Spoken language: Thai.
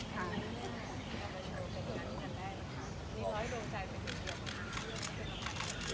กำแปดมีร้อยโดจ่ายเป็นดูของอาเซียนอาเซียนสุดใช้